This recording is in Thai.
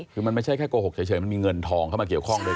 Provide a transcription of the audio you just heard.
คือมันไม่ใช่แค่โกหกเฉยมันมีเงินทองเข้ามาเกี่ยวข้องด้วย